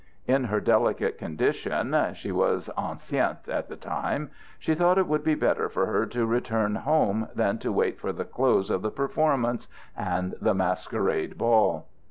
In her delicate condition (she was enceinte at the time) she thought it would be better for her to return home than to wait for the close of the performance and the masquerade ball.